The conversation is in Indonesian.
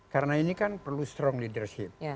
karena ini kan perlu strong leadership